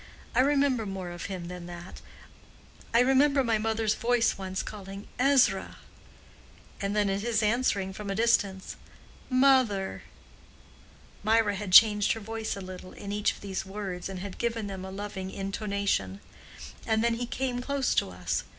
I remember more of him than that. I remember my mother's voice once calling, 'Ezra!' and then his answering from a distance 'Mother!'"—Mirah had changed her voice a little in each of these words and had given them a loving intonation—"and then he came close to us.